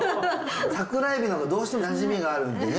桜エビのほうがどうしても馴染みがあるんでね。